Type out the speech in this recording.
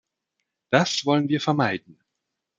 Das wollen wir vermeiden.